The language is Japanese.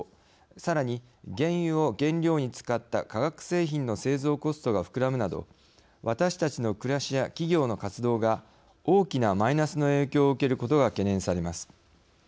さらに、原油を原料に使った化学製品の製造コストが膨らむなど私たちの暮らしや企業の活動が大きなマイナスの影響を受けることが懸念されます。